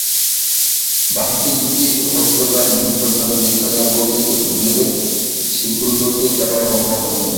বাকি দুটি অস্ত্রাগার বিপজ্জনক স্থানে অবস্থিত বলে সেগুলোতে যাওয়া সম্ভব হয়নি।